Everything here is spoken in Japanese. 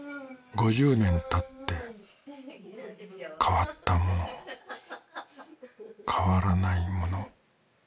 ５０年たって変わったもの変わらないもの